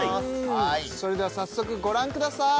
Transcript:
それでは早速ご覧ください